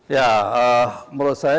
ya menurut saya